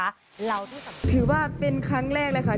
สุดยอดเลยคุณผู้ชมค่ะบอกเลยว่าเป็นการส่งของคุณผู้ชมค่ะ